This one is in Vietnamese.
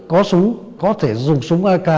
có súng có thể dùng súng ak